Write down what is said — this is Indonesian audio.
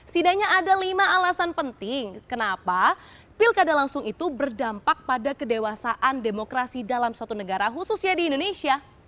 setidaknya ada lima alasan penting kenapa pilkada langsung itu berdampak pada kedewasaan demokrasi dalam suatu negara khususnya di indonesia